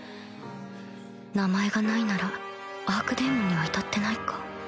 名前がないならアークデーモンには至ってないか